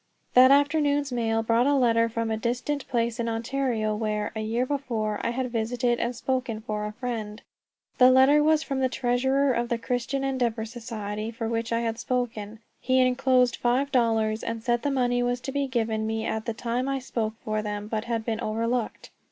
That afternoon's mail brought a letter from a distant place in Ontario where, a year before, I had visited and spoken for a friend. The letter was from the treasurer of the Christian Endeavor Society for which I had spoken. He enclosed five dollars, and said the money was to have been given me at the time I spoke for them, but had been overlooked.